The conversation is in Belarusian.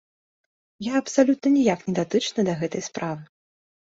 Я абсалютна ніяк не датычны да гэтай справы.